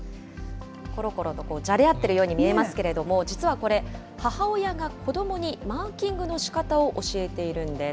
ころころとじゃれ合っているように見えますけれども、実はこれ、母親が子どもにマーキングのしかたを教えているんです。